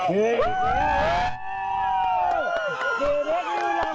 เจอแล้วเปมม่อน